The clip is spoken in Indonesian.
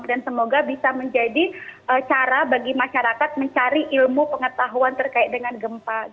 dan semoga bisa menjadi cara bagi masyarakat mencari ilmu pengetahuan terkait dengan gempa